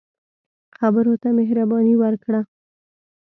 خبرو ته مهرباني ورکړه